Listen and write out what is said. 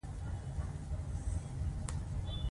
په ډېر سرعت سره د وینې جریان ته داخل شي.